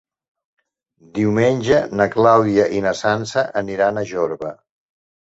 Diumenge na Clàudia i na Sança aniran a Jorba.